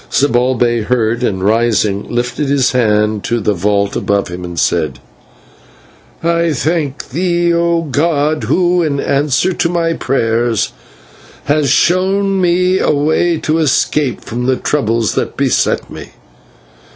Zibalbay heard, and, rising, lifted his hand to the vault above him, and said: "I thank thee, O god, who, in answer to my prayers, hast shown me a way of escape from the troubles that beset me.